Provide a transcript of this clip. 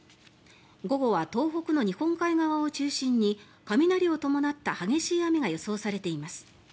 午後は東北の日本海側を中心に雷を伴った激しい雨が予想されています。